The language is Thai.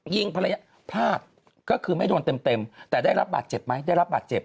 ภรรยาพลาดก็คือไม่โดนเต็มแต่ได้รับบาดเจ็บไหมได้รับบาดเจ็บ